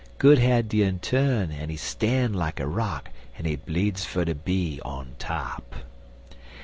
Good had de inturn, en he stan' like a rock, En he bleedzd for ter be on top.